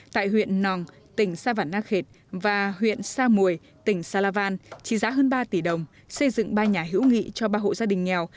tại huyện nòng tỉnh sa văn na khệt và huyện sa mùi tỉnh sa la van trị giá hơn ba tỷ đồng xây dựng ba nhà hữu nghị cho ba hộ gia đình nghèo